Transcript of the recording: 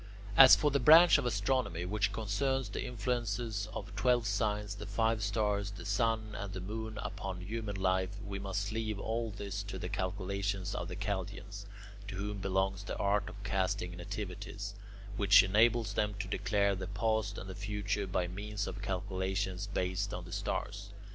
As for the branch of astronomy which concerns the influences of the twelve signs, the five stars, the sun, and the moon upon human life, we must leave all this to the calculations of the Chaldeans, to whom belongs the art of casting nativities, which enables them to declare the past and the future by means of calculations based on the stars.